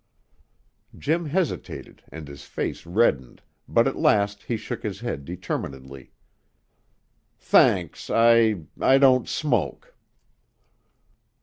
Jim hesitated, and his face reddened, but at last he shook his head determinedly. "Thanks; I I don't smoke."